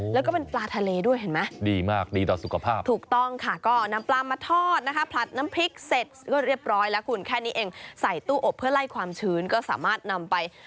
แล้วก็เป็นปลาทะเลด้วยเห็นไหม